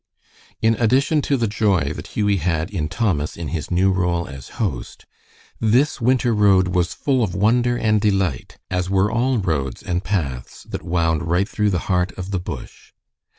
In addition to the joy that Hughie had in Thomas in his new role as host, this winter road was full of wonder and delight, as were all roads and paths that wound right through the heart of the bush.